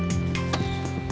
iya terima kasih ya